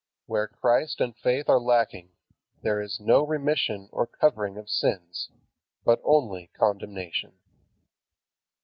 Where Christ and faith are lacking, there is no remission or covering of sins, but only condemnation.